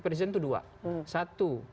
presiden itu dua satu